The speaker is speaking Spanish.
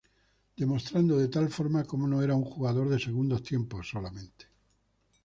Demostrando de tal forma cómo no era un jugador de segundos tiempos solamente.